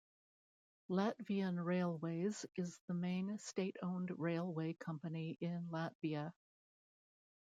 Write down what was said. Latvian Railways is the main state-owned railway company in Latvia.